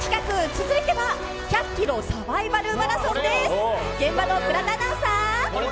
続いては１００キロサバイバルマラソンです。